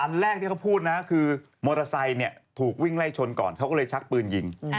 แรกที่เขาพูดนะคือมอเตอร์ไซค์ถูกวิ่งไล่ชนก่อนเขาก็เลยชักปืนยิง